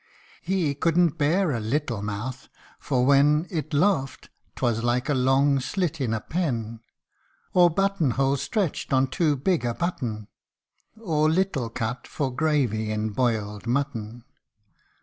He couldn't bear a little mouth, for when It laughed, 'twas like a long slit in a pen ; Or button hole stretched on too big a button ; Or little cut for gravy in boiled mutton.